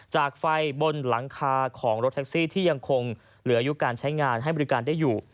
จากไฟบนหลังคาของรถแท็กซี่ที่ยังคงเหลืออายุการใช้งานให้บริการได้อยู่